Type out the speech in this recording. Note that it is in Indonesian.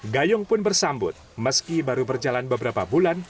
gayung pun bersambut meski baru berjalan beberapa bulan